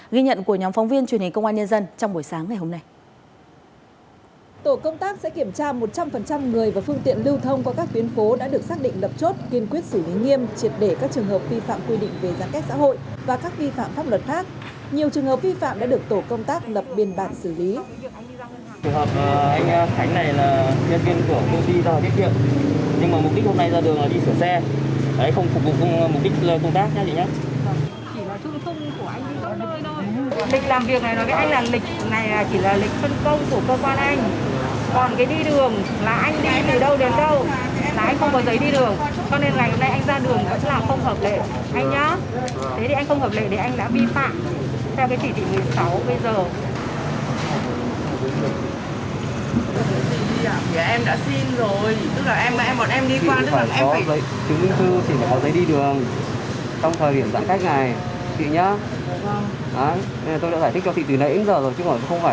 ghi nhận của nhóm phóng viên truyền hình công an nhân dân trong buổi sáng ngày hôm nay